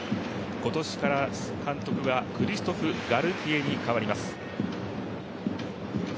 今年から監督がクリストフ・ガルティエに代わります。